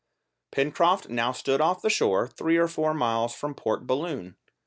Pencroft now stood off the shore, three or four miles across from Port Balloon.